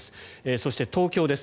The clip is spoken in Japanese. そして、東京です。